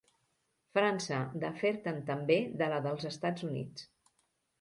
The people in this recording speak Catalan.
França, de fer-te'n també de la dels Estats Units.